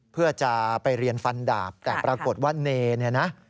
เพื่อจะไปเรียนฟันดาบแต่ปรากฏว่าเนเนี่ยนะ